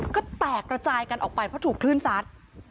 ก็แตกระจายกันออกไปเพราะถูกคลื่นซัด